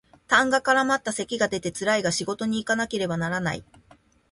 痰が絡まった咳が出てつらいが仕事にいかなければならない